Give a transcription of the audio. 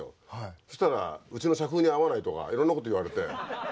そしたらうちの社風に合わないとかいろんなこと言われて。